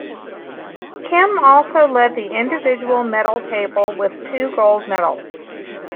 Kim also led the individual medal table, with two gold medals.